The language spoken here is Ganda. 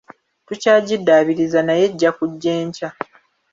Tukyagidabiiriza naye ejja kujja enkya.